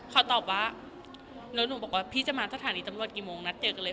เขาตอบว่าแล้วหนูบอกว่าพี่จะมาสถานีตำรวจกี่โมงนัดเจอกันเลย